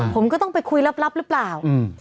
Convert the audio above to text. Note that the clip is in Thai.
ผมก็ต้องไปคุยลับหรือเปล่า